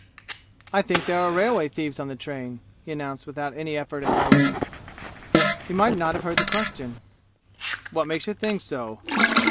"I think there are railway thieves on the train," he announced without any effort at relevance. He might not have heard the question. "What makes you think so?"